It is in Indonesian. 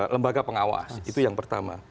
lembaga pengawas itu yang pertama